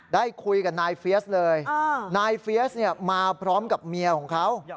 ได้คุยกับนายเฟียสเลยนายเฟียสเนี่ยมาพร้อมกับเมียของเขา